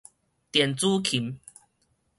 電子琴